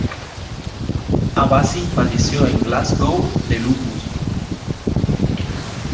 Abbasi falleció en Glasgow de lupus.